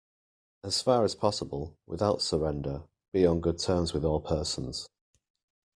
As far as possible, without surrender, be on good terms with all persons.